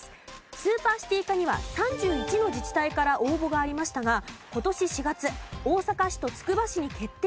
スーパーシティ化には３１の自治体から応募がありましたが今年４月大阪市とつくば市に決定したという事です。